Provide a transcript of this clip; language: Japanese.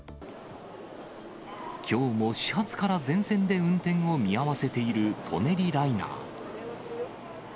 きょうも始発から全線で運転を見合わせている舎人ライナー。